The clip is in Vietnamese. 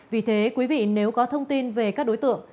vì thế quý vị nếu có thông tin về các đối tượng